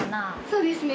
そうですね。